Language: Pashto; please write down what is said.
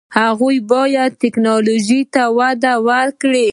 هغوی باید ټیکنالوژي ته وده ورکړي.